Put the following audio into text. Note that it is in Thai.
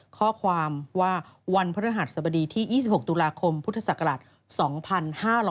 ข้อความว่าวันพระธรรหัสสบดีที่๒๖ตุลาคมพศ๒๕๖๐น